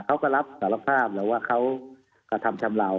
เขาก็รับสารภาพแล้วว่าเขากระทำชำเลา